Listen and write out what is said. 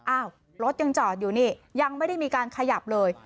อ้าวรถยังจอดอยู่นี่ยังไม่ได้มีการขยับเลย